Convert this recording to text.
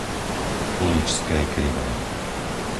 Uličské Krivé